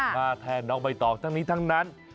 มาแทนน้องใบตองทั้งนี้ทั้งนั้น